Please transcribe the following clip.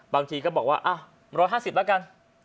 บางทีก็บอกว่า๑๕๐แล้วกัน